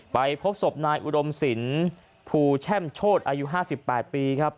ไปพบศพนายอุดมศิลภูแช่มโชษอายุ๕๘ปี